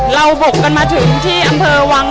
บกกันมาถึงที่อำเภอวัง